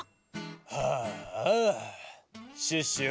・はああシュッシュよ。